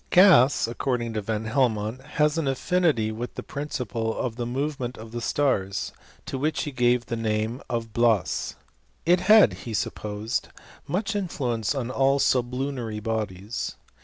Gas, according to Van Helmont, has an affinity with the principle of the movement of the stars, to. which he gave the name of hlas. It had, he sup*, posed, much influence on all sublunary bodies.